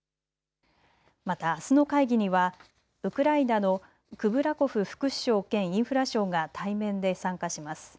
またあすの会議にはウクライナのクブラコフ副首相兼インフラ相が対面で参加します。